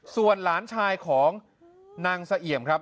ส่วนหลานชายของนางเสเอี่ยมครับ